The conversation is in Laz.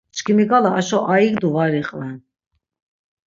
Çkimi k̆ala aşo aigdu var iqven.